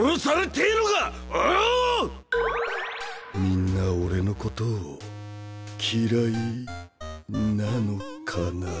みんな俺のことを嫌いなのかな。